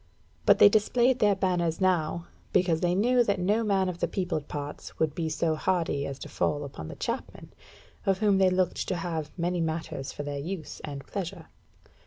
But they displayed their banners now, because they knew that no man of the peopled parts would be so hardy as to fall upon the Chapmen, of whom they looked to have many matters for their use and pleasure.